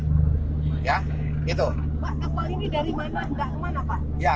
kapal ini dari mana